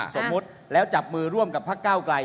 สมมุติแล้วจับมือร่วมกับพักเก้าไกล